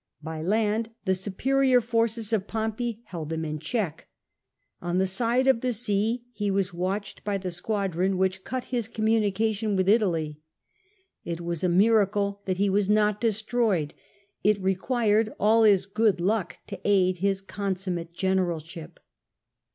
By land the superior forces of 'Pompey h<dd him in check. On the side of the sea he was watched by the squadron which THE CAMPAIGN OF DYRBHACHIUM 329 cut Ms communication with Italy. It was a miracle that he was not destroyed ; it required all his good luck to aid his consummate generalship.